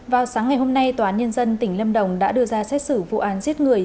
vào sáng ngày hôm nay tòa án nhân dân tỉnh lâm đồng đã đưa ra xét xử vụ án giết người